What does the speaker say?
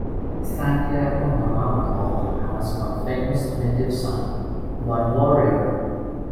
Santiago Nonualco has one famous native son, one warrior.